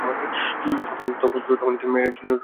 তখনই তিনি এর চিত্রনাট্য রচনা করার সিদ্ধান্ত নেন।